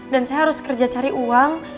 dan saya harus kerja cari uang